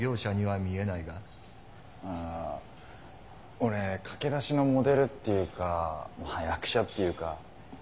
オレ駆け出しのモデルっていうかまあ役者っていうか。